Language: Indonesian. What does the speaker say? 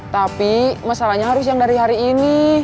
tapi masalahnya harus yang dari hari ini